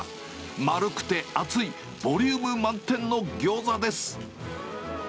丸くて厚い、ボリューム満点のギョーザです。